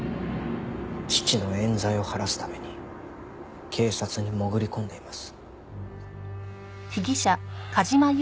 父の冤罪を晴らすために警察に潜り込んでいます。